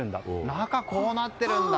中、こうなってるんだ。